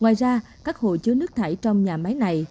ngoài ra các hồ chứa nước thải trong nhà máy này